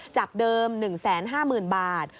จากเดิม๑๕๐๐๐บาท